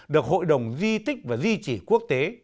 được hội đồng di tích và di chỉ quốc tế